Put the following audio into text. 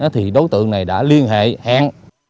thì đối tượng này đã liên hệ hẹn